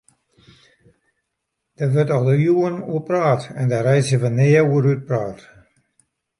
Dêr wurdt al iuwen oer praat en dêr reitsje we nea oer útpraat.